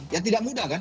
ya tidak mudah kan